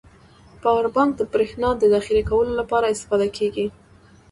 پاور بانک د بريښنا د زخيره کولو لپاره استفاده کیږی.